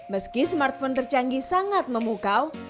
meski smartphone tercanggih sangat memukau